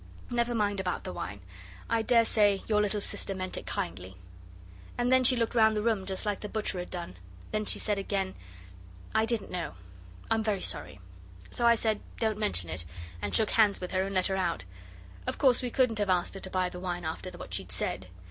Never mind about the wine. I daresay your little sister meant it kindly.' And she looked round the room just like the butcher had done. Then she said again, 'I didn't know I'm very sorry...' So I said, 'Don't mention it,' and shook hands with her, and let her out. Of course we couldn't have asked her to buy the wine after what she'd said.